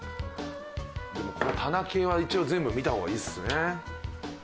でも棚系は一応全部見た方がいいですよね。